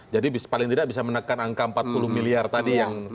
jadi paling tidak bisa menekan angka empat puluh miliar tadi